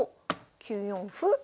９四歩。